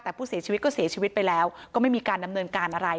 แต่ผู้เสียชีวิตก็เสียชีวิตไปแล้วก็ไม่มีการดำเนินการอะไร